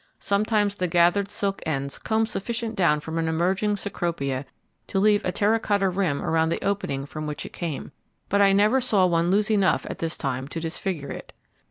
Sometimes the gathered silk ends comb sufficient down from an emerging Cecropia to leave a terra cotta rim around the opening from which it came; but I never saw one lose enough at this time to disfigure it.